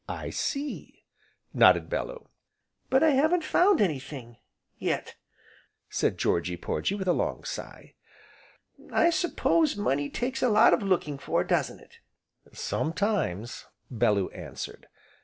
"I see," nodded Bellew. "But I haven't found anything yet," said Georgy Porgy, with a long sigh, "I s'pose money takes a lot of looking for, doesn't it?" "Sometimes," Bellew answered.